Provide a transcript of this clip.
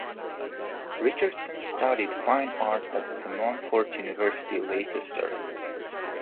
Richardson studied fine art at De Montfort University Leicester.